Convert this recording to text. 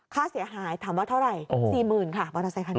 ค่าเสียหายถามว่าเท่าไหร่๔๐๐๐๐บาทมาใส่คันนี้